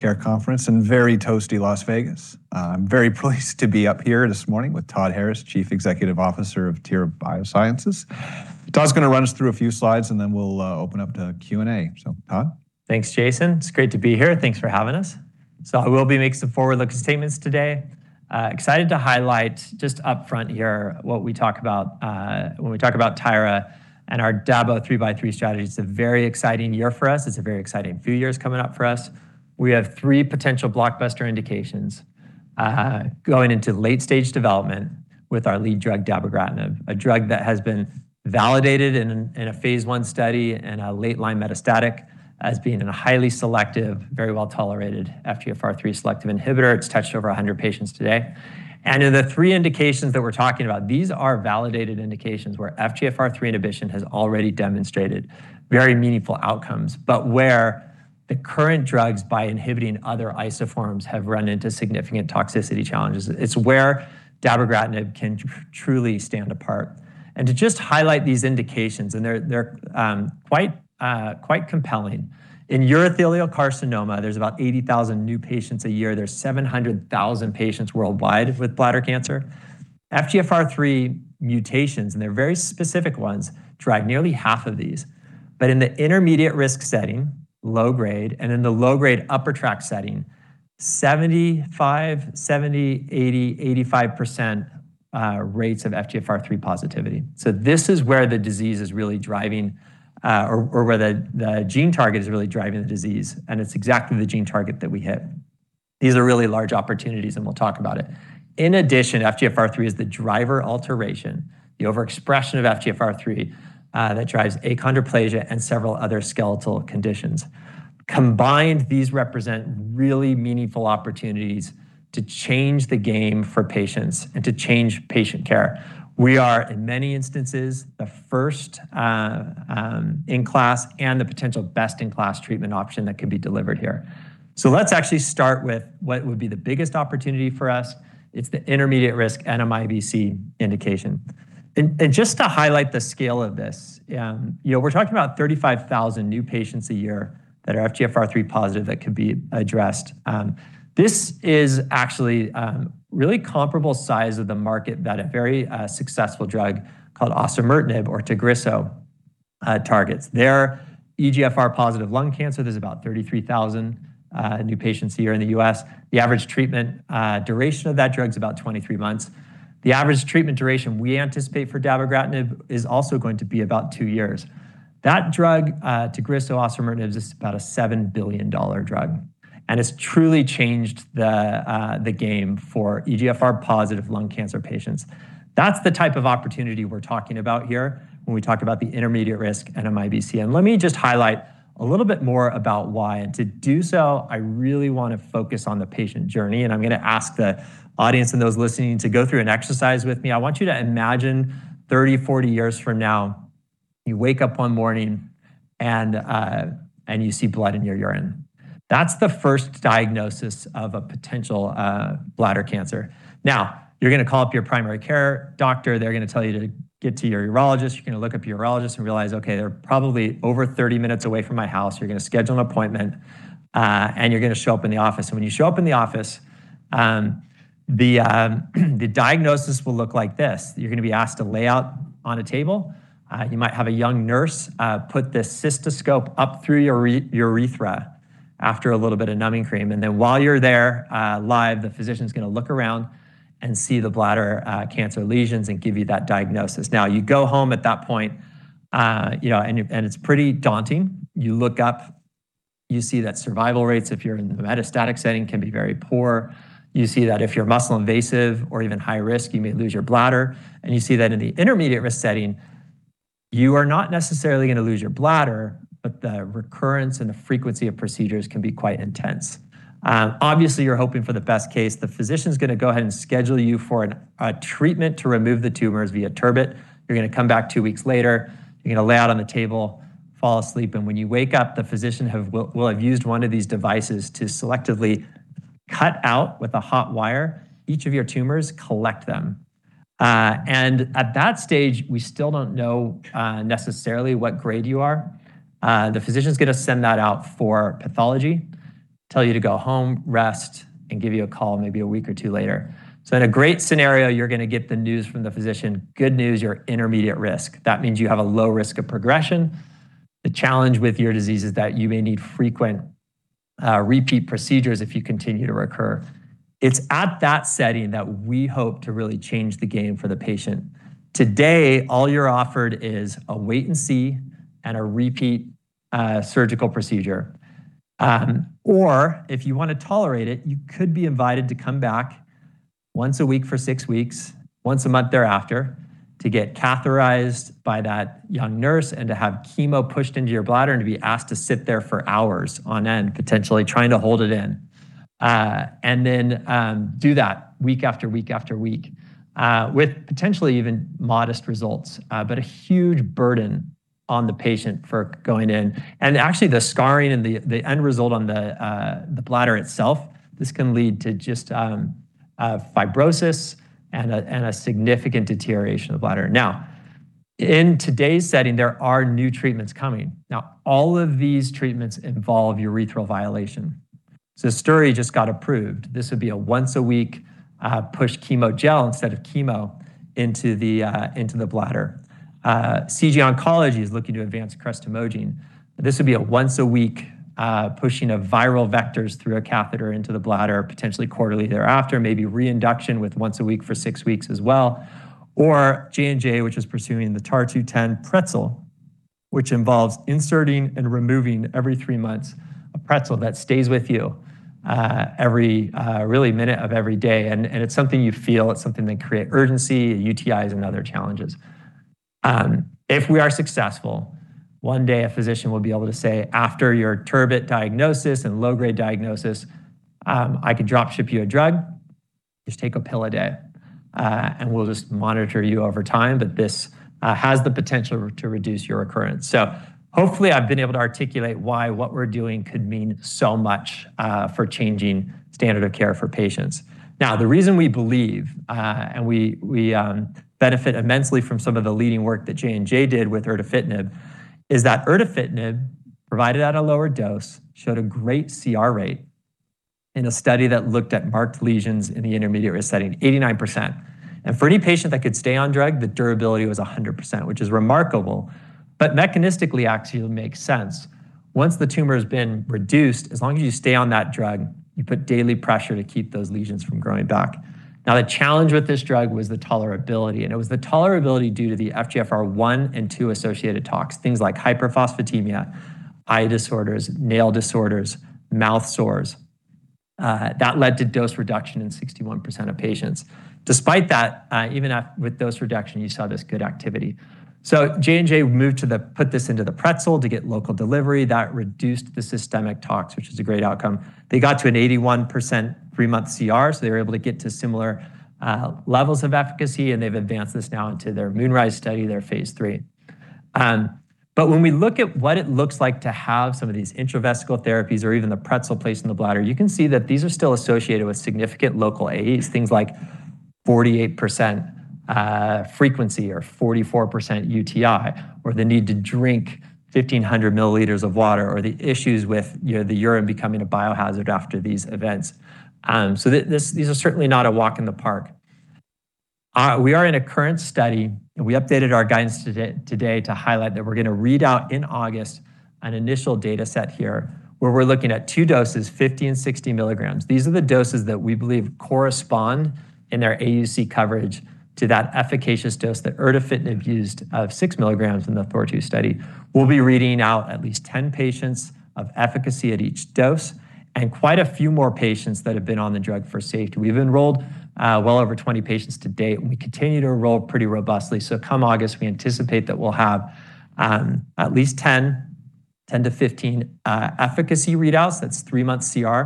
Care conference in very toasty Las Vegas. I'm very pleased to be up here this morning with Todd Harris, Chief Executive Officer of Tyra Biosciences. Todd's gonna run us through a few slides, and then we'll open up to Q&A. So Todd? Thanks, Jason. It's great to be here. Thanks for having us. I will be making some forward-looking statements today. Excited to highlight just upfront here what we talk about when we talk about Tyra and our Dabo 3x3 strategy. It's a very exciting year for us. It's a very exciting few years coming up for us. We have three potential blockbuster indications going into late-stage development with our lead drug, dabogratinib, a drug that has been validated in a phase I study and a late line metastatic as being a highly selective, very well-tolerated FGFR3 selective inhibitor. It's touched over 100 patients today. In the three indications that we're talking about, these are validated indications where FGFR3 inhibition has already demonstrated very meaningful outcomes. Where the current drugs by inhibiting other isoforms have run into significant toxicity challenges, it's where dabogratinib can truly stand apart. To just highlight these indications, and they're quite compelling. In urothelial carcinoma, there's about 80,000 new patients a year. There's 700,000 patients worldwide with bladder cancer. FGFR3 mutations, and they're very specific ones, drive nearly half of these. In the intermediate risk setting, low grade, and in the low grade upper tract setting, 75%, 70%, 80%, 85% rates of FGFR3 positivity. This is where the disease is really driving, or where the gene target is really driving the disease, and it's exactly the gene target that we hit. These are really large opportunities, and we'll talk about it. In addition, FGFR3 is the driver alteration, the overexpression of FGFR3 that drives achondroplasia and several other skeletal conditions. Combined, these represent really meaningful opportunities to change the game for patients and to change patient care. We are, in many instances, the first in class and the potential best in class treatment option that could be delivered here. Let's actually start with what would be the biggest opportunity for us. It's the intermediate risk NMIBC indication. Just to highlight the scale of this, you know, we're talking about 35,000 new patients a year that are FGFR3 positive that could be addressed. This is actually really comparable size of the market that a very successful drug called osimertinib or TAGRISSO targets. Their EGFR positive lung cancer, there's about 33,000 new patients a year in the U.S. The average treatment duration of that drug is about 23 months. The average treatment duration we anticipate for dabogratinib is also going to be about two years. That drug, TAGRISSO, osimertinib, is about a $7 billion drug, and it's truly changed the game for EGFR positive lung cancer patients. That's the type of opportunity we're talking about here when we talk about the intermediate risk NMIBC. Let me just highlight a little bit more about why. To do so, I really wanna focus on the patient journey, and I'm gonna ask the audience and those listening to go through an exercise with me. I want you to imagine 30, 40 years from now, you wake up one morning and you see blood in your urine. That's the first diagnosis of a potential bladder cancer. Now, you're gonna call up your primary care doctor. They're gonna tell you to get to your urologist. You're gonna look up your urologist and realize, "Okay, they're probably over 30 minutes away from my house." You're gonna schedule an appointment, and you're gonna show up in the office. When you show up in the office, the diagnosis will look like this. You're gonna be asked to lay out on a table. You might have a young nurse, put this cystoscope up through your urethra after a little bit of numbing cream. Then while you're there, live, the physician's gonna look around and see the bladder, cancer lesions and give you that diagnosis. Now, you go home at that point, you know, and it's pretty daunting. You look up, you see that survival rates, if you're in the metastatic setting, can be very poor. You see that if you're muscle invasive or even high risk, you may lose your bladder. You see that in the intermediate risk setting, you are not necessarily gonna lose your bladder, but the recurrence and the frequency of procedures can be quite intense. Obviously, you're hoping for the best case. The physician's gonna go ahead and schedule you for a treatment to remove the tumors via TURBT. You're gonna come back two weeks later, you're gonna lay out on the table, fall asleep. When you wake up, the physician will have used one of these devices to selectively cut out with a hot wire each of your tumors, collect them. At that stage, we still don't know necessarily what grade you are. The physician's gonna send that out for pathology, tell you to go home, rest, and give you a call maybe a week or two later. In a great scenario, you're gonna get the news from the physician, "Good news, you're intermediate risk." That means you have a low risk of progression. The challenge with your disease is that you may need frequent repeat procedures if you continue to recur. It's at that setting that we hope to really change the game for the patient. Today, all you're offered is a wait and see and a repeat surgical procedure. Or if you wanna tolerate it, you could be invited to come back once a week for six weeks, once a month thereafter, to get catheterized by that young nurse and to have chemo pushed into your bladder and to be asked to sit there for hours on end, potentially trying to hold it in. Do that week after week after week, with potentially even modest results, but a huge burden on the patient for going in. Actually, the scarring and the end result on the bladder itself, this can lead to just fibrosis and a significant deterioration of the bladder. In today's setting, there are new treatments coming. All of these treatments involve urethral violation. ADSTILADRIN just got approved. This would be a once a week push chemo gel instead of chemo into the bladder. CG Oncology is looking to advance cretostimogene. This would be a once a week pushing of viral vectors through a catheter into the bladder, potentially quarterly thereafter, maybe reinduction with once a week for six weeks as well. J&J, which is pursuing the TAR-210 pretzel, which involves inserting and removing every three months a pretzel that stays with you every really minute of every day. It's something you feel, it's something that can create urgency, UTIs, and other challenges. If we are successful, one day a physician will be able to say, "After your TURBT diagnosis and low-grade diagnosis, I could drop ship you a drug. Just take a pill a day, we'll just monitor you over time. This has the potential to reduce your occurrence. Hopefully, I've been able to articulate why what we're doing could mean so much for changing standard of care for patients. The reason we believe, and we benefit immensely from some of the leading work that J&J did with erdafitinib, is that erdafitinib, provided at a lower dose, showed a great CR rate in a study that looked at marked lesions in the Intermediate-Risk setting, 89%. For any patient that could stay on drug, the durability was 100%, which is remarkable. Mechanistically, actually, it makes sense. Once the tumor's been reduced, as long as you stay on that drug, you put daily pressure to keep those lesions from growing back. The challenge with this drug was the tolerability, and it was the tolerability due to the FGFR1 and FGFR2 associated tox, things like hyperphosphatemia, eye disorders, nail disorders, mouth sores, that led to dose reduction in 61% of patients. Despite that, even with dose reduction, you saw this good activity. J&J moved to put this into the pretzel to get local delivery. That reduced the systemic tox, which is a great outcome. They got to an 81% three-month CR, so they were able to get to similar levels of efficacy, and they've advanced this now into their MoonRISe study, their phase III. When we look at what it looks like to have some of these intravesical therapies or even the pretzel placed in the bladder, you can see that these are still associated with significant local AEs, things like 48% frequency or 44% UTI, or the need to drink 1,500 mL of water, or the issues with, you know, the urine becoming a biohazard after these events. These are certainly not a walk in the park. We are in a current study, we updated our guidance today to highlight that we're gonna read out in August an initial data set here, where we're looking at two doses, 50 mg and 60 mg. These are the doses that we believe correspond in their AUC coverage to that efficacious dose that erdafitinib used of 6 mg in the THOR-2 study. We'll be reading out at least 10 patients of efficacy at each dose and quite a few more patients that have been on the drug for safety. We've enrolled well over 20 patients to date, and we continue to enroll pretty robustly. Come August, we anticipate that we'll have at least 10-15 efficacy readouts, that's three-month CR,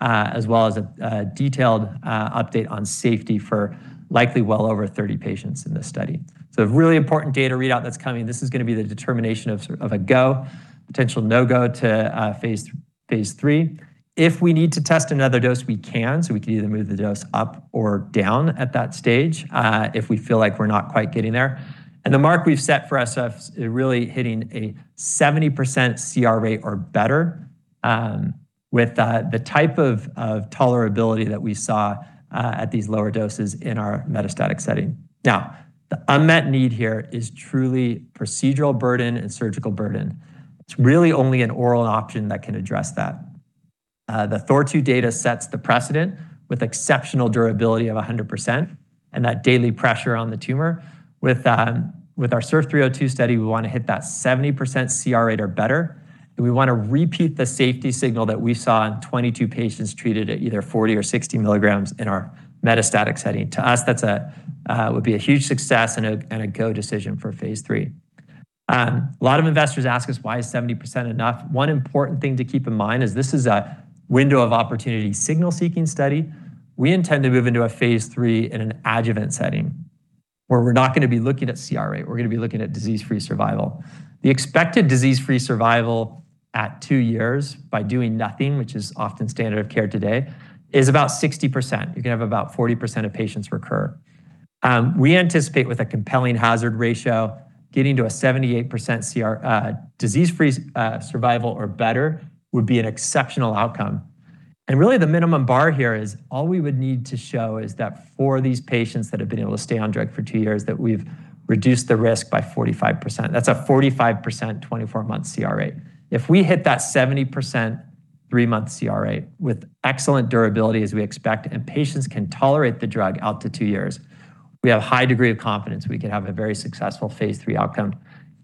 as well as a detailed update on safety for likely well over 30 patients in this study. A really important data readout that's coming. This is gonna be the determination of sort of a go, potential no-go to phase III. If we need to test another dose, we can, so we can either move the dose up or down at that stage, if we feel like we're not quite getting there. The mark we've set for ourselves is really hitting a 70% CR rate or better, with the type of tolerability that we saw at these lower doses in our metastatic setting. The unmet need here is truly procedural burden and surgical burden. It's really only an oral option that can address that. The THOR-2 data sets the precedent with exceptional durability of 100% and that daily pressure on the tumor. Our SURF302 study, we wanna hit that 70% CR rate or better, and we wanna repeat the safety signal that we saw in 22 patients treated at either 40 mg or 60 mg in our metastatic setting. To us, that's a would be a huge success and a go decision for phase III. A lot of investors ask us, "Why is 70% enough?" One important thing to keep in mind is this is a window-of-opportunity signal-seeking study. We intend to move into a phase III in an adjuvant setting where we're not gonna be looking at CR rate. We're gonna be looking at disease-free survival. The expected disease-free survival at two years by doing nothing, which is often standard of care today, is about 60%. You can have about 40% of patients recur. We anticipate with a compelling hazard ratio, getting to a 78% CR, disease-free survival or better would be an exceptional outcome. Really the minimum bar here is all we would need to show is that for these patients that have been able to stay on drug for two years, that we've reduced the risk by 45%. That's a 45% 24-month CR rate. If we hit that 70% three-month CR rate with excellent durability as we expect and patients can tolerate the drug out to two years, we have high degree of confidence we could have a very successful phase III outcome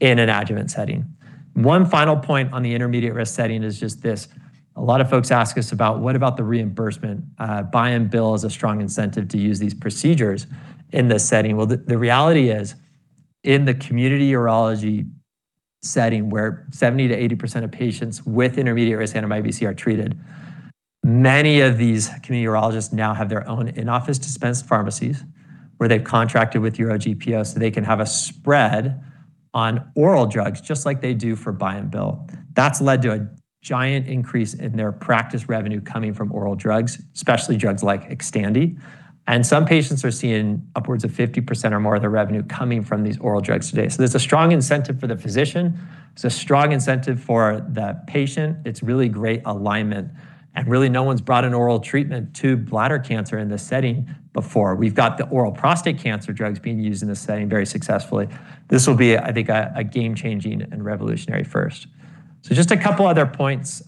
in an adjuvant setting. One final point on the intermediate risk setting is just this. A lot of folks ask us about, what about the reimbursement? Buy and bill is a strong incentive to use these procedures in this setting. The reality is, in the community urology setting where 70%-80% of patients with intermediate-risk NMIBC are treated, many of these community urologists now have their own in-office dispense pharmacies where they've contracted with UroGPO so they can have a spread on oral drugs, just like they do for buy and bill. That's led to a giant increase in their practice revenue coming from oral drugs, especially drugs like XTANDI. Some patients are seeing upwards of 50% or more of their revenue coming from these oral drugs today. There's a strong incentive for the physician. There's a strong incentive for the patient. It's really great alignment. Really, no one's brought an oral treatment to bladder cancer in this setting before. We've got the oral prostate cancer drugs being used in this setting very successfully. This will be, I think a game-changing and revolutionary first. Just a couple other points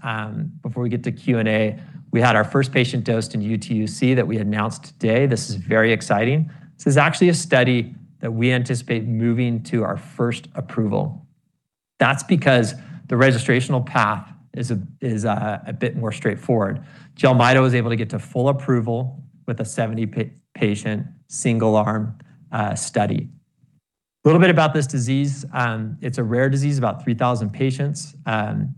before we get to Q&A. We had our first patient dosed in UTUC that we announced today. This is very exciting. This is actually a study that we anticipate moving to our first approval. That's because the registrational path is a bit more straightforward. JELMYTO was able to get to full approval with a 70-patient, single-arm study. A little bit about this disease. It's a rare disease, about 3,000 patients. 85%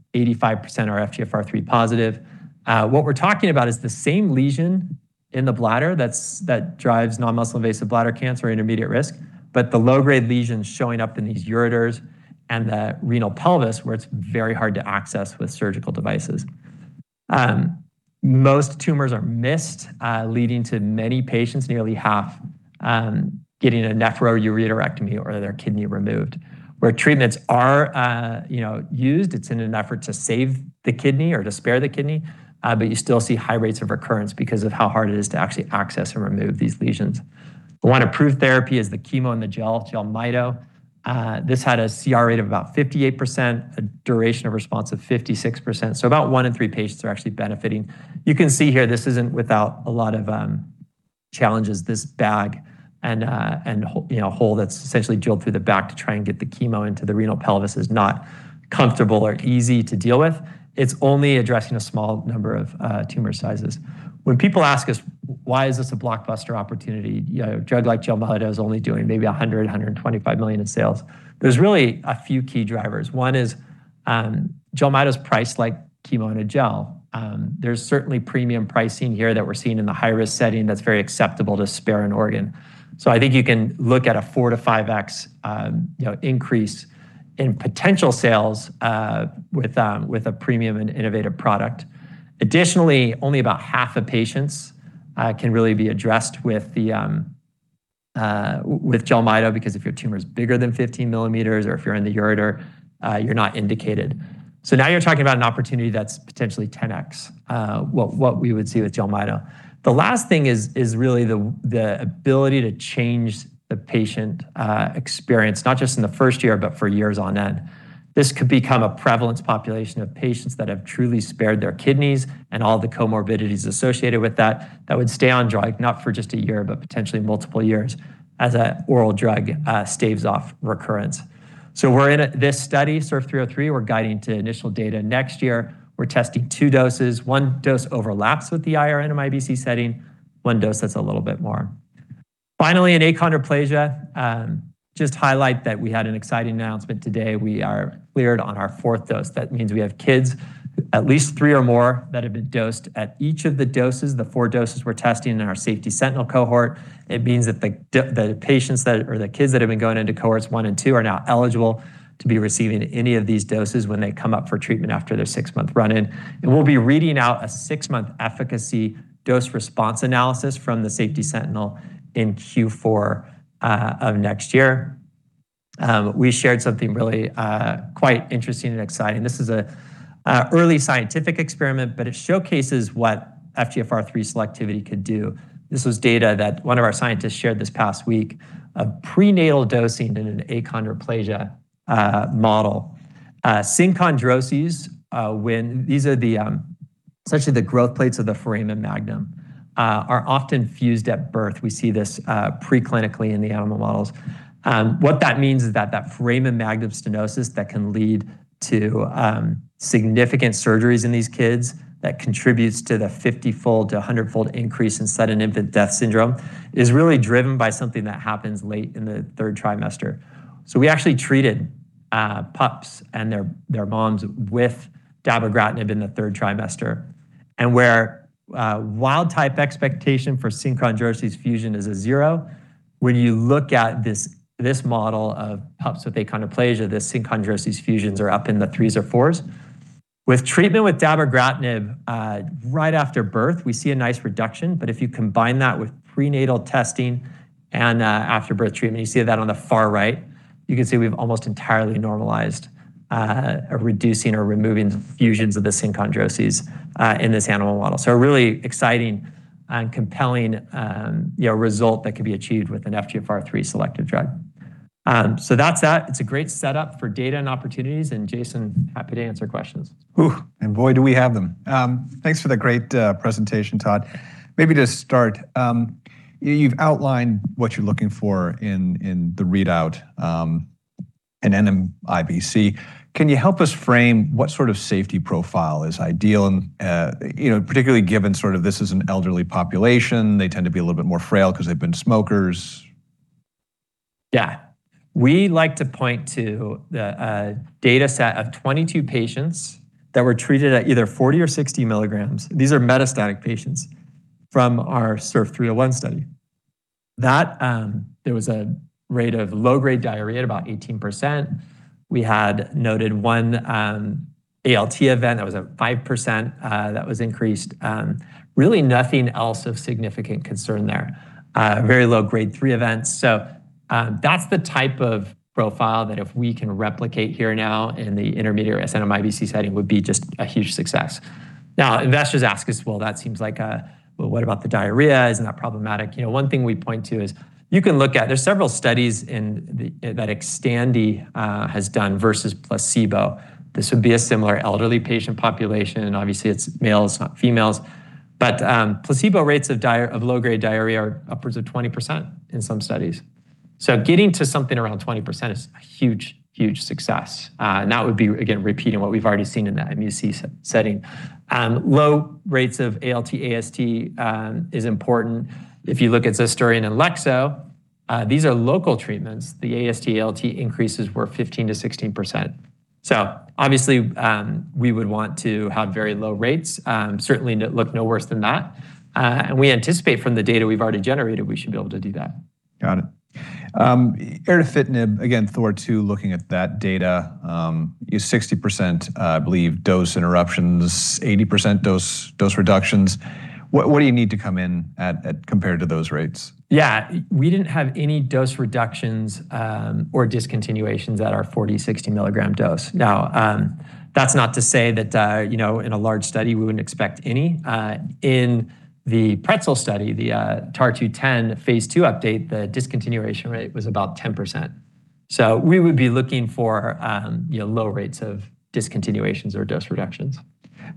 are FGFR3 positive. What we're talking about is the same lesion in the bladder that drives Intermediate-Risk Non-Muscle-Invasive Bladder Cancer, but the low-grade lesions showing up in these ureters and the renal pelvis where it's very hard to access with surgical devices. Most tumors are missed, leading to many patients, nearly half, getting a nephroureterectomy or their kidney removed. Where treatments are, you know, used, it's in an effort to save the kidney or to spare the kidney. You still see high rates of recurrence because of how hard it is to actually access and remove these lesions. The one approved therapy is the chemo in the gel, JELMYTO. This had a CR rate of about 58%, a duration of response of 56%. About one in three patients are actually benefiting. You can see here, this isn't without a lot of challenges. This bag and, you know, hole that's essentially drilled through the back to try and get the chemo into the renal pelvis is not comfortable or easy to deal with. It's only addressing a small number of tumor sizes. When people ask us, why is this a blockbuster opportunity? You know, a drug like JELMYTO is only doing maybe $100 million-$125 million in sales. There's really a few key drivers. One is, JELMYTO's priced like chemo in a gel. There's certainly premium pricing here that we're seeing in the high-risk setting that's very acceptable to spare an organ. I think you can look at a 4x to 5x, you know, increase in potential sales with a premium and innovative product. Additionally, only about half of patients can really be addressed with JELMYTO because if your tumor is bigger than 15 mm or if you're in the ureter, you're not indicated. Now you're talking about an opportunity that's potentially 10x what we would see with JELMYTO. The last thing is really the ability to change the patient experience, not just in the first year, but for years on end. This could become a prevalence population of patients that have truly spared their kidneys and all the comorbidities associated with that would stay on drug, not for just a year, but potentially multiple years as a oral drug staves off recurrence. We're in this study, SURF303, we're guiding to initial data next year. We're testing two doses. one dose overlaps with the IR-NMIBC setting, one dose that's a little bit more. Finally, in achondroplasia, just highlight that we had an exciting announcement today. We are cleared on our fourth dose. That means we have kids, at least three or more, that have been dosed at each of the doses, the four doses we're testing in our Safety Sentinel cohort. It means that the kids that have been going into cohorts one and two are now eligible to be receiving any of these doses when they come up for treatment after their six-month run-in. We'll be reading out a six-month efficacy dose response analysis from the Safety Sentinel in Q4 of next year. We shared something really quite interesting and exciting. This is a early scientific experiment, it showcases what FGFR3 selectivity could do. This was data that one of our scientists shared this past week of prenatal dosing in an achondroplasia model. Synchondroses, when these are the essentially the growth plates of the foramen magnum, are often fused at birth. We see this preclinically in the animal models. What that means is that that foramen magnum stenosis that can lead to significant surgeries in these kids that contributes to the 50-fold to a 100-fold increase in sudden infant death syndrome is really driven by something that happens late in the third trimester. We actually treated pups and their moms with dabogratinib in the third trimester. Where wild-type expectation for synchondroses fusion is a zero, when you look at this model of pups with achondroplasia, the synchondroses fusions are up in the threes or fours. With treatment with dabogratinib, right after birth, we see a nice reduction. If you combine that with prenatal testing and after birth treatment, you see that on the far right, you can see we've almost entirely normalized reducing or removing the fusions of the synchondroses in this animal model. A really exciting and compelling, you know, result that can be achieved with an FGFR3 selective drug. That's that. It's a great setup for data and opportunities. Jason, happy to answer questions. Ooh, boy, do we have them. Thanks for the great presentation, Todd. Maybe to start, you've outlined what you're looking for in the readout in NMIBC. Can you help us frame what sort of safety profile is ideal and, you know, particularly given sort of this is an elderly population, they tend to be a little bit more frail because they've been smokers? Yeah. We like to point to the data set of 22 patients that were treated at either 40 mg or 60 mg. These are metastatic patients from our SURF301 study. That there was a rate of low-grade diarrhea at about 18%. We had noted one ALT event, that was at 5%, that was increased. Really nothing else of significant concern there. Very low grade three events. That's the type of profile that if we can replicate here now in the intermediate-risk NMIBC setting would be just a huge success. Investors ask us, "Well, what about the diarrhea? Isn't that problematic?" You know, one thing we point to is you can look at, there's several studies in the, that XTANDI has done versus placebo. This would be a similar elderly patient population, and obviously it's males, not females. Placebo rates of low-grade diarrhea are upwards of 20% in some studies. Getting to something around 20% is a huge, huge success. And that would be, again, repeating what we've already seen in that MUC setting. Low rates of ALT, AST is important. If you look at [Zestorian and Lexo], these are local treatments. The AST, ALT increases were 15%-16%. Obviously, we would want to have very low rates, certainly look no worse than that. And we anticipate from the data we've already generated, we should be able to do that. Got it. erdafitinib, again, THOR-2, looking at that data, is 60%, I believe dose interruptions, 80% dose reductions. What do you need to come in at compared to those rates? Yeah. We didn't have any dose reductions or discontinuations at our 40 mg/60 mg dose. Now, that's not to say that, you know, in a large study, we wouldn't expect any. In the Pretzel Study, the TAR-210 phase II update, the discontinuation rate was about 10%. We would be looking for, you know, low rates of discontinuations or dose reductions.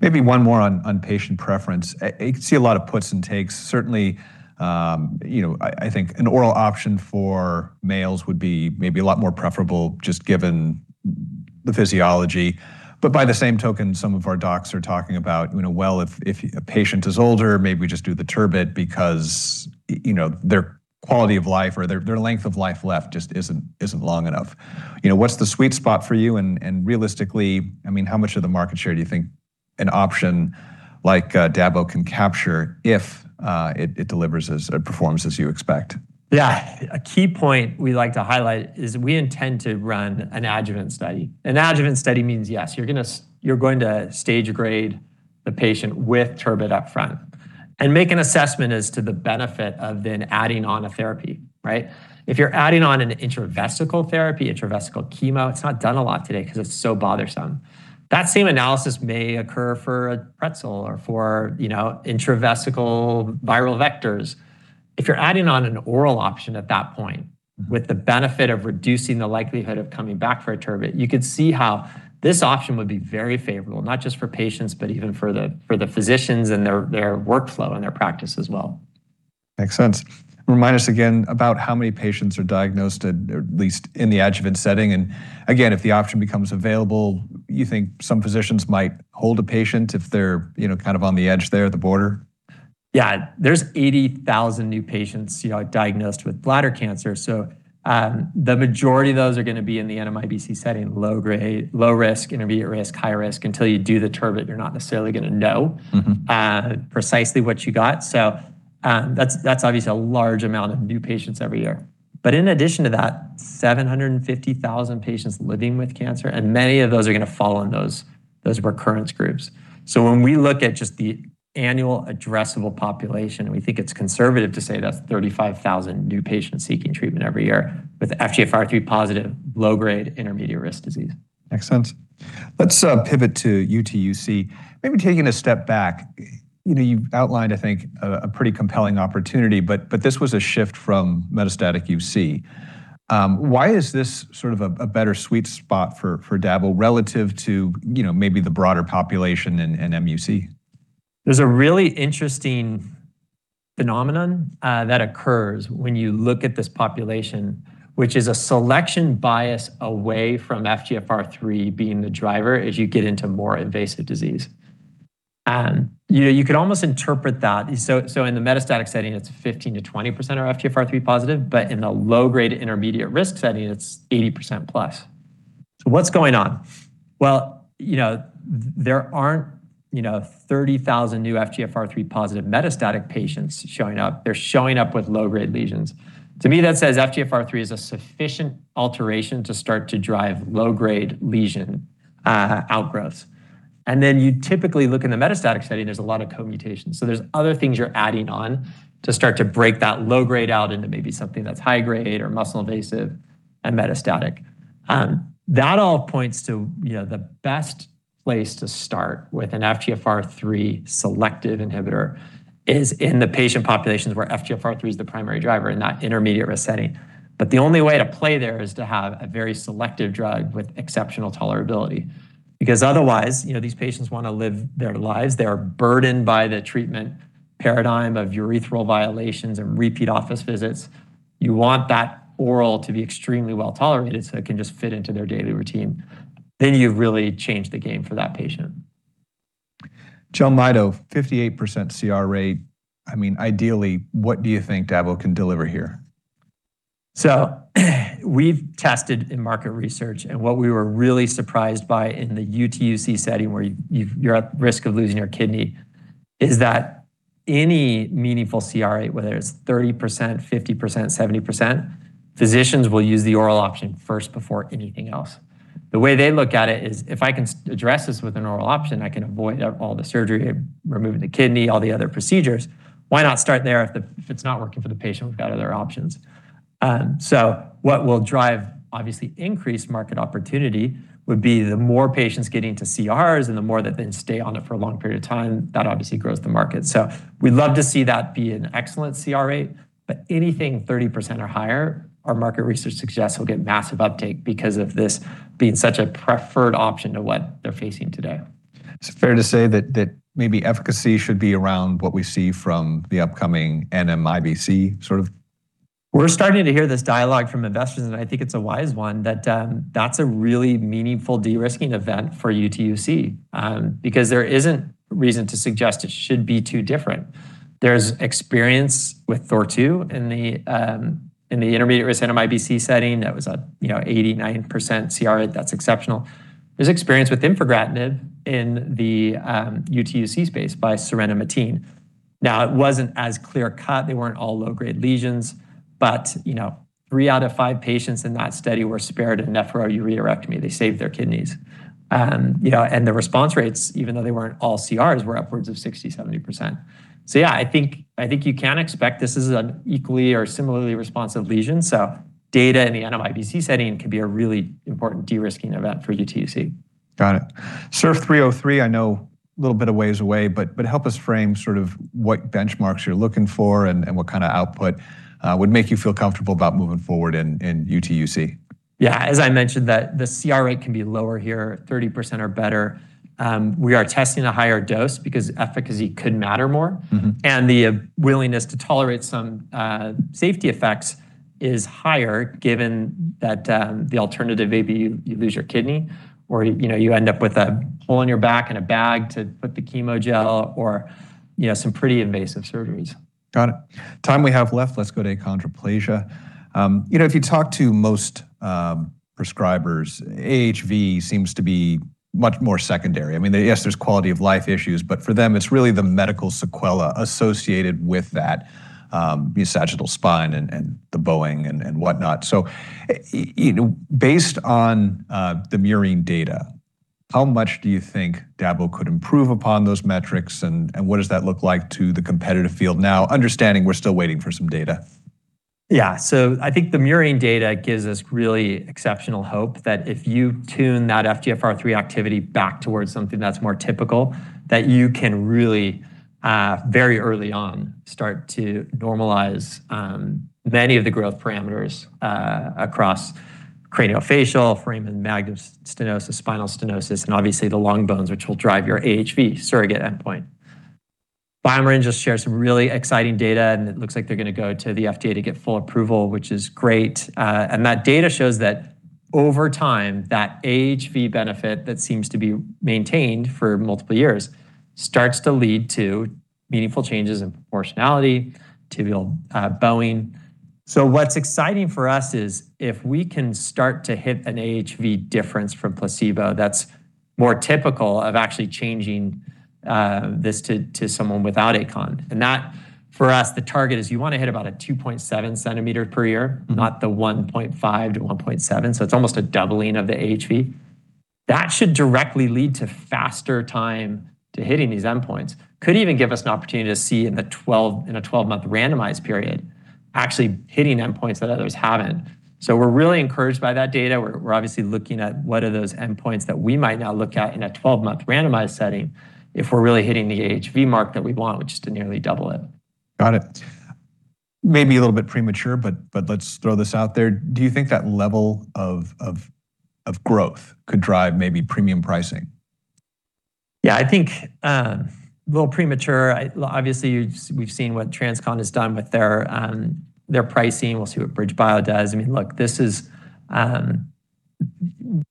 Maybe one more on patient preference. You can see a lot of puts and takes. Certainly, you know, I think an oral option for males would be maybe a lot more preferable just given the physiology. By the same token, some of our docs are talking about, you know, well, if a patient is older, maybe we just do the TURBT because, you know, their quality of life or their length of life left just isn't long enough. You know, what's the sweet spot for you? Realistically, I mean, how much of the market share do you think an option like VOXZOGO can capture if it delivers as or performs as you expect? Yeah. A key point we like to highlight is we intend to run an adjuvant study. An adjuvant study means, yes, you're going to stage grade the patient with TURBT up front and make an assessment as to the benefit of then adding on a therapy, right? If you're adding on an intravesical therapy, intravesical chemo, it's not done a lot today 'cause it's so bothersome. That same analysis may occur for a pretzel or for, you know, intravesical viral vectors. If you're adding on an oral option at that point, with the benefit of reducing the likelihood of coming back for a TURBT, you could see how this option would be very favorable, not just for patients, but even for the physicians and their workflow and their practice as well. Makes sense. Remind us again about how many patients are diagnosed at least in the adjuvant setting. Again, if the option becomes available, you think some physicians might hold a patient if they're, you know, kind of on the edge there, the border? Yeah. There's 80,000 new patients, you know, diagnosed with bladder cancer. The majority of those are gonna be in the NMIBC setting, low grade, low risk, intermediate risk, high risk. Until you do the TURBT, you're not necessarily gonna know. precisely what you got. That's obviously a large amount of new patients every year. In addition to that, 750,000 patients living with cancer, and many of those are gonna fall in those recurrence groups. When we look at just the annual addressable population, we think it's conservative to say that's 35,000 new patients seeking treatment every year with FGFR3 positive, low-grade intermediate-risk disease. Makes sense. Let's pivot to UTUC. Maybe taking a step back, you know, you've outlined, I think, a pretty compelling opportunity, but this was a shift from metastatic UC. Why is this sort of a better sweet spot for [for dabo] relative to, you know, maybe the broader population in MUC? There's a really interesting phenomenon that occurs when you look at this population, which is a selection bias away from FGFR3 being the driver as you get into more invasive disease. You know, you could almost interpret that. In the metastatic setting, it's 15%-20% are FGFR3 positive, but in the low-grade Intermediate-Risk setting, it's 80%+. What's going on? Well, you know, there aren't, you know, 30,000 new FGFR3 positive metastatic patients showing up. They're showing up with low-grade lesions. To me, that says FGFR3 is a sufficient alteration to start to drive low-grade lesion outgrowth. You typically look in the metastatic setting, there's a lot of co-mutations. There's other things you're adding on to start to break that low grade out into maybe something that's high grade or muscle invasive and metastatic. That all points to, you know, the best place to start with an FGFR3 selective inhibitor is in the patient populations where FGFR3 is the primary driver in that intermediate-risk setting. The only way to play there is to have a very selective drug with exceptional tolerability. Otherwise, you know, these patients wanna live their lives. They are burdened by the treatment paradigm of urethral violations and repeat office visits. You want that oral to be extremely well-tolerated, so it can just fit into their daily routine. You've really changed the game for that patient. JELMYTO, 58% CR rate. I mean, ideally, what do you think dabo can deliver here? We've tested in market research, and what we were really surprised by in the UTUC setting where you're at risk of losing your kidney, is that any meaningful CR rate, whether it's 30%, 50%, 70%, physicians will use the oral option first before anything else. The way they look at it is, "If I can address this with an oral option, I can avoid all the surgery, removing the kidney, all the other procedures. Why not start there? If it's not working for the patient, we've got other options." What will drive obviously increased market opportunity would be the more patients getting to CRs and the more that they stay on it for a long period of time, that obviously grows the market. We'd love to see that be an excellent CR rate, but anything 30% or higher, our market research suggests will get massive uptake because of this being such a preferred option to what they're facing today. It's fair to say that maybe efficacy should be around what we see from the upcoming NMIBC sort of. We're starting to hear this dialogue from investors, and I think it's a wise one, that that's a really meaningful de-risking event for UTUC because there isn't reason to suggest it should be too different. There's experience with THOR-2 in the intermediate risk NMIBC setting. That was a, you know, 80%, 90% CR rate. That's exceptional. There's experience with infigratinib in the UTUC space by Surena Matin. It wasn't as clear-cut. They weren't all low-grade lesions. You know, three out of five patients in that study were spared a nephroureterectomy. They saved their kidneys. You know, the response rates, even though they weren't all CRs, were upwards of 60%, 70%. Yeah, I think, I think you can expect this is an equally or similarly responsive lesion. Data in the NMIBC setting could be a really important de-risking event for UTUC. Got it. SURF303, I know a little bit of ways away, but help us frame sort of what benchmarks you're looking for and what kind of output would make you feel comfortable about moving forward in UTUC? Yeah. As I mentioned that the CR rate can be lower here, 30% or better. We are testing a higher dose because efficacy could matter more. The willingness to tolerate some safety effects is higher given that the alternative may be you lose your kidney, or you know, you end up with a hole in your back and a bag to put the chemo gel or, you know, some pretty invasive surgeries. Got it. Time we have left, let's go to achondroplasia. You know, if you talk to most prescribers, AHV seems to be much more secondary. I mean, yes, there's quality of life issues, but for them it's really the medical sequela associated with that, the sagittal spine and the bowing and whatnot. You know, based on the murine data, how much do you think dabogratinib could improve upon those metrics, and what does that look like to the competitive field now, understanding we're still waiting for some data? I think the murine data gives us really exceptional hope that if you tune that FGFR3 activity back towards something that's more typical, that you can really, very early on start to normalize many of the growth parameters across craniofacial, foramen magnum stenosis, spinal stenosis, and obviously the long bones which will drive your AHV surrogate endpoint. BioMarin just shared some really exciting data, and it looks like they're gonna go to the FDA to get full approval, which is great. That data shows that over time, that AHV benefit that seems to be maintained for multiple years starts to lead to meaningful changes in proportionality, tibial bowing. What's exciting for us is if we can start to hit an AHV difference from placebo, that's more typical of actually changing this to someone without achondroplasia. That for us, the target is you wanna hit about a 2.7 cm per year not the 1.5 cm to 1.7 cm. It's almost a doubling of the AHV. That should directly lead to faster time to hitting these endpoints. Could even give us an opportunity to see in a 12-month randomized period, actually hitting endpoints that others haven't. We're really encouraged by that data. We're obviously looking at what are those endpoints that we might now look at in a 12-month randomized setting if we're really hitting the AHV mark that we want, which is to nearly double it. Got it. It may be a little bit premature, but let's throw this out there. Do you think that level of growth could drive maybe premium pricing? Yeah, I think, a little premature. Obviously we've seen what TransCon has done with their pricing. We'll see what BridgeBio does. I mean, look, this is,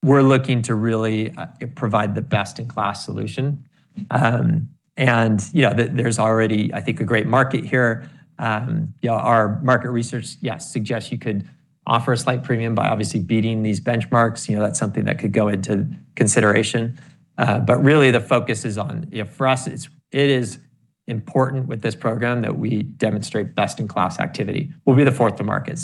We're looking to really provide the best-in-class solution. You know, there's already, I think, a great market here. You know, our market research, yes, suggests you could offer a slight premium by obviously beating these benchmarks. You know, that's something that could go into consideration. Really the focus is on, you know, for us it's, it is important with this program that we demonstrate best-in-class activity. We'll be the fourth to market.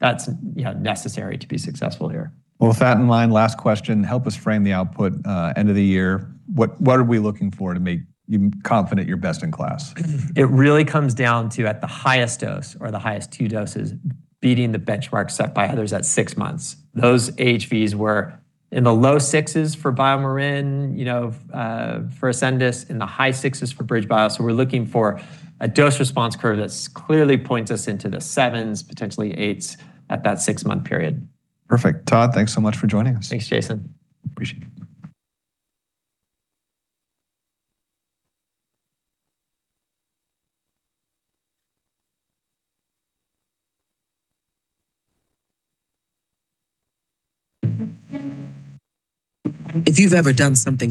That's, you know, necessary to be successful here. Well, with that in mind, last question. Help us frame the output, end of the year. What are we looking for to make you confident you're best in class? It really comes down to at the highest dose or the highest two doses, beating the benchmark set by others at six months. Those AHVs were in the low 6s for BioMarin, you know, for Ascendis, in the high sixs for BridgeBio. We're looking for a dose response curve that's clearly points us into the sevens, potentially eights at that six-month period. Perfect. Todd, thanks so much for joining us. Thanks, Jason. Appreciate it. Appreciate it.